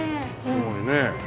すごいね。